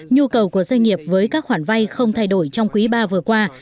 nhu cầu của doanh nghiệp với các khoản vay không thay đổi trong quý ba vừa qua